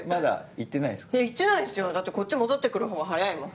行ってないですよだってこっち戻って来るほうが早いもん。